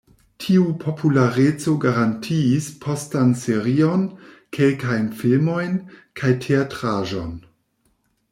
Tiu populareco garantiis postan serion, kelkajn filmojn, kaj teatraĵon.